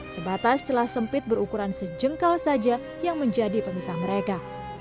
sebatas celah sempit berukuran sejengkal saja yang menjadi pemisah mereka